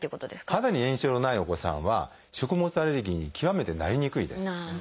肌に炎症のないお子さんは食物アレルギーに極めてなりにくいです。